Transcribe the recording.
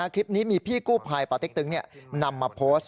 คลิปนี้มีพี่กู้ภัยปเต็กตึงนำมาโพสต์